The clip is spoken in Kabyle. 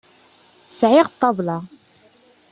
Sɛiɣ ṭṭabla.